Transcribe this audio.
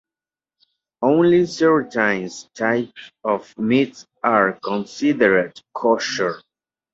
Only certain types of meat are considered kosher.